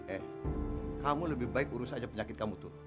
eh kamu lebih baik urus aja penyakit kamu tuh